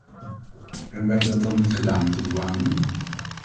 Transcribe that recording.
Hebben wij dat niet gedaan met de douane-unie?